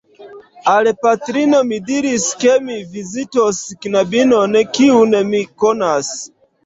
Al patrino mi diris, ke mi vizitos knabinon, kiun mi konas.